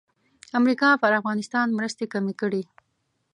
امریکا پر افغانستان مرستې کمې کړې.